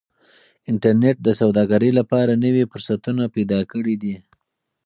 انټرنيټ د سوداګرۍ لپاره نوي فرصتونه پیدا کړي دي.